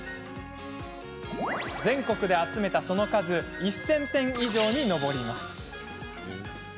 全国で集めたその数１０００点以上に上ります。